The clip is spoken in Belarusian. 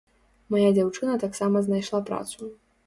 Мая дзяўчына таксама знайшла працу.